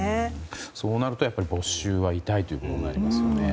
そうなると没収は痛いということになりますよね。